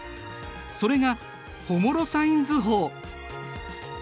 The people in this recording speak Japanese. それがホモロサイン図法。